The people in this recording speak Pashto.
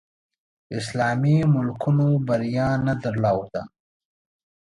اسلامي ملکونو بریا نه درلوده